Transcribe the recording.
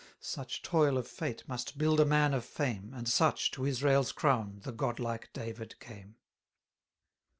Such toil of fate must build a man of fame, And such, to Israel's crown, the godlike David came.